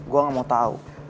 gue gak mau tau